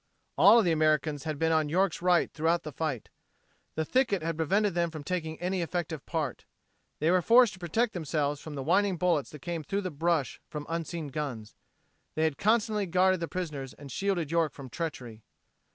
All of the Americans had been on York's right throughout the fight. The thicket had prevented them from taking any effective part. They were forced to protect themselves from the whining bullets that came through the brush from unseen guns. They had constantly guarded the prisoners and shielded York from treachery.